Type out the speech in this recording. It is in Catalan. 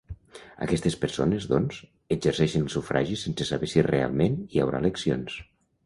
Aquestes persones, doncs, exerceixen el sufragi sense saber si realment hi haurà eleccions.